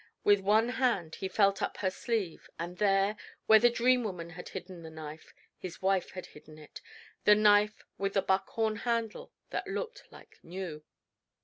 With one hand he felt up her sleeve, and there, where the Dream Woman had hidden the knife, his wife had hidden it the knife with the buckhorn handle, that looked like new.